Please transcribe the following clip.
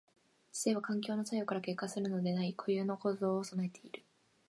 知性は環境の作用から結果するのでない固有の構造を具えている。